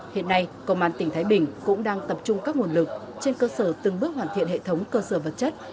hiện nay công an tỉnh thái bình cũng đang tập trung các nguồn lực trên cơ sở từng bước hoàn thiện hệ thống cơ sở vật chất